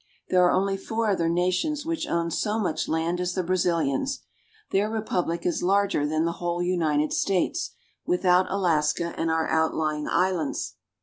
There are only four other nations which own so much land as the Brazilians. Their republic is larger than the whole United States, without Alaska and our outlying islands.